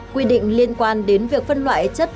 quy định liên quan đến việc phân loại chất